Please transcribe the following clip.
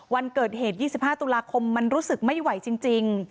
วันเกิดเหตุ๒๕ตุลาคมมันรู้สึกไม่ไหวจริง